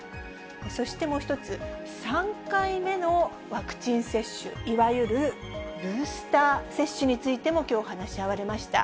そしてもう一つ、３回目のワクチン接種、いわゆるブースター接種についてもきょう話し合われました。